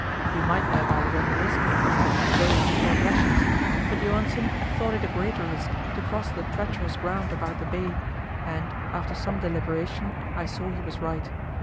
We might thereby run the risk of having to go on short rations; but Johansen thought it a greater risk to cross the treacherous ground about the bay, and, after some deliberation, I saw he was right.